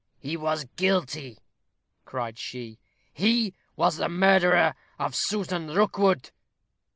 "He was guilty," cried she. "He was the murderer of Susan Rookwood."